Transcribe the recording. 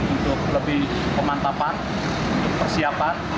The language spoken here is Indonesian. untuk lebih pemantapan persiapan